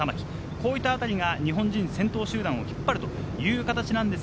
こういったあたりが日本人の先頭集団を引っ張っています。